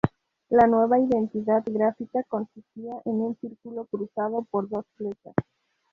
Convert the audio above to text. La nueva identidad gráfica consistía en un círculo cruzado por dos flechas.